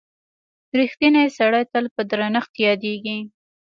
• رښتینی سړی تل په درنښت یادیږي.